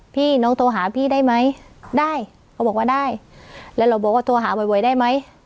พี่น้องโทรหาพี่ได้ไหมได้เขาบอกว่าได้แล้วเราบอกว่าโทรหาบ่อยได้ไหม